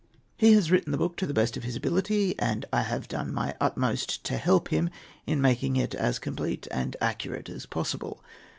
He has written the book to the best of his ability, and I have done my utmost to help him in making it as complete and accurate as possible.